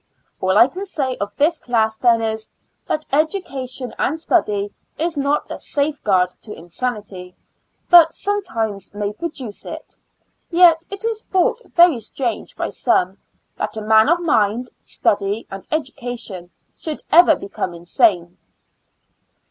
All I can say of this class then is, that education and study is not a safe guard to insanity, but sometimes may produce it; yet it is thought ver}^ strange by some, that a man of mind, study and education, should ever become insane.